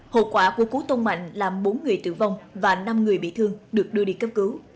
hậu quả của cú tông mạnh làm bốn người tử vong và năm người bị thương được đưa đi cấp cứu